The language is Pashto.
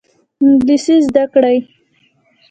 انګلیسي زده کړئ